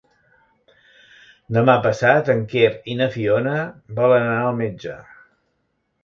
Demà passat en Quer i na Fiona volen anar al metge.